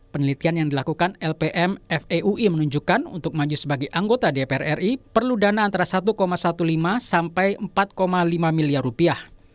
penelitian yang dilakukan lpm feui menunjukkan untuk maju sebagai anggota dpr ri perlu dana antara satu lima belas sampai empat lima miliar rupiah